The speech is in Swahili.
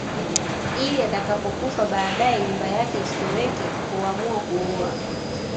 Ili atakapokufa baadae nyumba yake isitoweke huamua kuoa